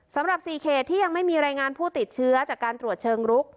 สำหรับ๔เขตที่ยังไม่มีรายงานผู้ติดเชื้อจากการตรวจเชิงรุก